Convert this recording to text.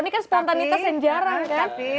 ini kan spontanitas yang jarang kan